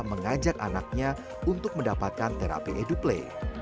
mengajak anaknya untuk mendapatkan terapi eduplay